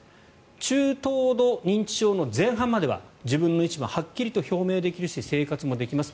中等度認知症の前半までは自分の意思ははっきりと表明できるし生活もできます。